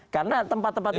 karena tempat tempat itu